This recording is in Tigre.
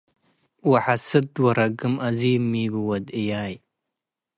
ወሐስድ ወረግም - አዚም ሚቡ ወድ እያይ